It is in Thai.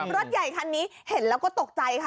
รถใหญ่คันนี้เห็นแล้วก็ตกใจค่ะ